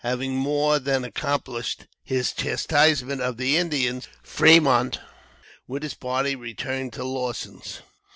Having more than accomplished his chastisement of the Indians, Fremont with his party returned to Lawson's.